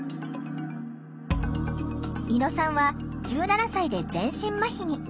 猪野さんは１７歳で全身まひに。